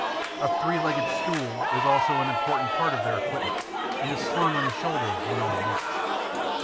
A three legged stool is also an important part of their equipment, and is slung on the shoulder when on the march.